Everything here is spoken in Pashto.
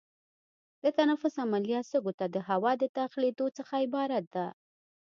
د تنفس عملیه سږو ته د هوا د داخلېدو څخه عبارت ده.